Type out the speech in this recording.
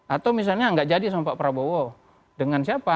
atau misalnya nggak jadi sama pak prabowo dengan siapa